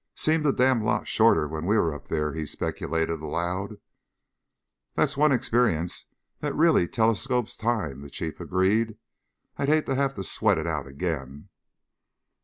"Seemed a damned lot shorter when we were up there," he speculated aloud. "That's one experience that really telescopes time," the Chief agreed. "I'd hate to have to sweat it out again."